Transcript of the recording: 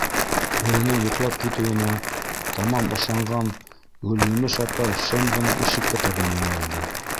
Улының йоҡлап китеүенә тамам ышанған Гөлйемеш апай шым ғына ишеккә табан йүнәлде.